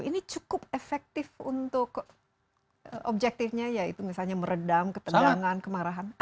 ini cukup efektif untuk objektifnya yaitu misalnya meredam ketegangan kemarahan